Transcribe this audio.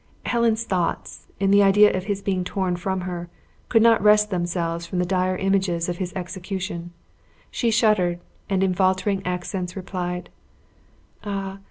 Helen's thoughts, in the idea of his being torn from her, could not wrest themselves from the dire images of his execution; she shuddered, and in faltering accents replied, "Ah!